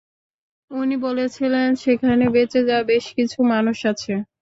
উনি বলেছেন, সেখানে বেঁচে যাওয়া বেশ কিছু মানুষ আছে!